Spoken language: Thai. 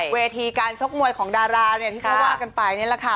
เวทีการชกมวยของดาราเนี่ยราะว่ากันไปเนี่ยแล้วค่ะ